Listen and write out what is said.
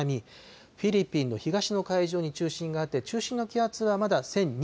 フィリピンの東の海上に中心があって、中心の気圧はまだ１００２